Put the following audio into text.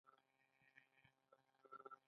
آیا نادره ځمکنۍ عناصر قیمت لري؟